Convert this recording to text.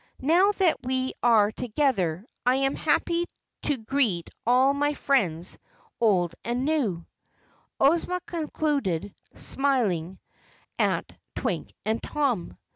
Now that we are together I am happy to greet all my friends old and new," Ozma concluded, smiling at Twink and Tom.